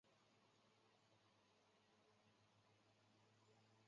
红点平盲蝽为盲蝽科平盲蝽属下的一个种。